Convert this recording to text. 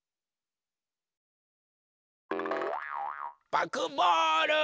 パクボール！